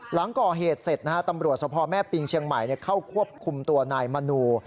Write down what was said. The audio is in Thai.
หลังก่อเหตุเสร็จนะฮะตำรวจสภแม่ปิงเชียงใหม่เข้าควบคุมตัวนายมนู